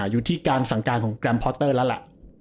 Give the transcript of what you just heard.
อยู่ที่การสั่งการของแกรมพอสเตอร์แล้วล่ะ